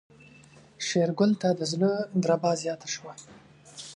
شېرګل ته د زړه دربا زياته شوه.